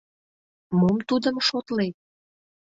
Мом тудым шотлет?